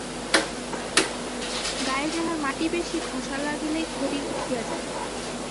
গায়ে যাহার মাটি বেশি, ঘষা লাগিলেই খড়ি উঠিয়া যায়।